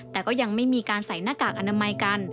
แต่ก็ยังไม่มีการใส่หน้ากากอนามัยกัน